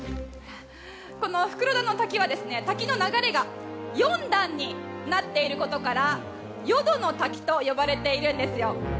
この袋田の滝は、滝の流れが４段になっていることから四度の滝と呼ばれているんですよ。